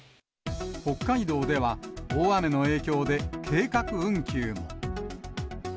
北海道では、大雨の影響で計画運休も。